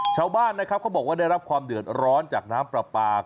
ชาวบ้านนะครับเขาบอกว่าได้รับความเดือดร้อนจากน้ำปลาปาก